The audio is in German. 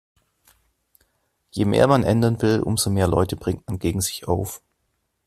Je mehr man ändern will, umso mehr Leute bringt man gegen sich auf.